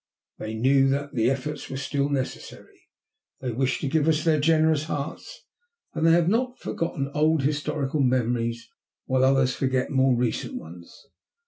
They knew that efforts were still necessary. They wished to give us their generous hearts, and they have not forgotten old historical memories while others forget more recent ones.